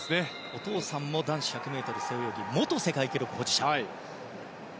お父さんも男子１００ｍ背泳ぎ元世界記録保持者。